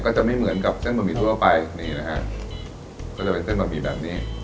จะไม่เหมือนกับเส้นบะหมี่ทั่วไปนี่นะฮะก็จะเป็นเส้นบะหมี่แบบนี้